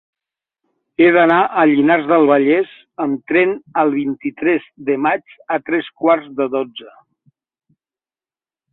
He d'anar a Llinars del Vallès amb tren el vint-i-tres de maig a tres quarts de dotze.